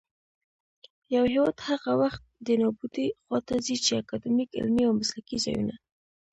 يـو هـېواد هغـه وخـت دې نـابـودۍ خـواته ځـي ،چـې اکـادميـک، عـلمـي او مـسلـکي ځـايـونــه